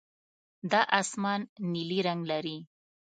دا اسمان نیلي رنګ لري.